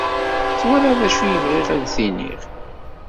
Twalaḍ d acu i bɣiɣ ad t-id-iniɣ?